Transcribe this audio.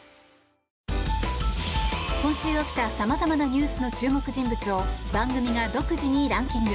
今週起きた様々なニュースの注目人物を番組が独自にランキング。